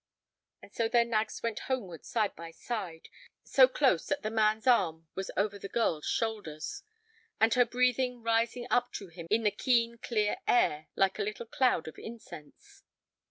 And so their nags went homeward side by side, so close that the man's arm was over the girl's shoulders, and her breathing rising up to him in the keen, clear air like a little cloud of incense.